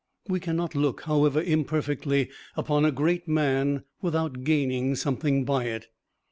We can not look, however imperfectly, upon a great man without gaining something by it.